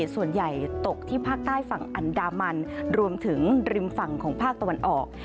ส่วนใหญ่ตกที่ภาคใต้ฝั่งอันดามันรวมถึงริมฝั่งของภาคตะวันออก